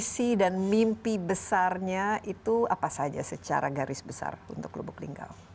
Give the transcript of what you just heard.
visi dan mimpi besarnya itu apa saja secara garis besar untuk lubuk linggau